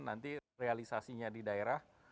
nanti realisasinya di daerah